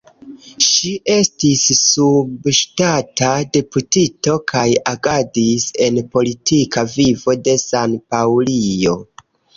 Ŝi estis subŝtata deputito kaj agadis en politika vivo de San-Paŭlio.